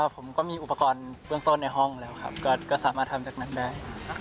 ผมก็มีอุปกรณ์เบื้องต้นในห้องแล้วครับก็สามารถทำจากนั้นได้